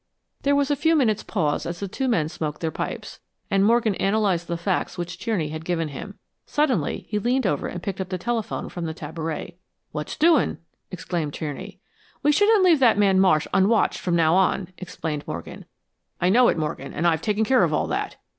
There was a few minutes pause as the two men smoked their pipes, and Morgan analyzed the facts which Tierney had given him. Suddenly he leaned over and picked up the telephone from the tabouret. "What's doing?" exclaimed Tierney. "We shouldn't leave that man Marsh unwatched from now on," explained Morgan. "I know it, Morgan, and I've taken care of all that."